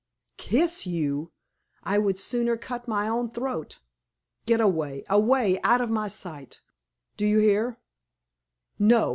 Kiss you? I would sooner cut my own throat. Get away away out of my sight! Do you hear? No!